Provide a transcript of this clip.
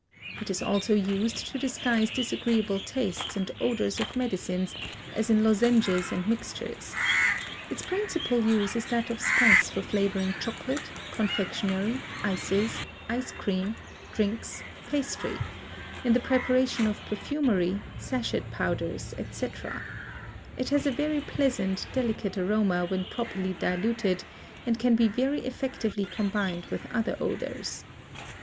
It is also used to disguise disagreeable tastes and odors of medicines, as in lozenges and mixtures. Its principal use is that of spice for flavoring chocolate, confectionery, ices, ice cream, drinks, pastry; in the preparation of perfumery, sachet powders, etc. It has a very pleasant, delicate aroma when properly diluted and can be very effectively combined with other odors.